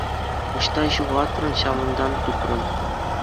Ӑҫта ҫухатрӑн, ҫавӑнтан тупрӑм.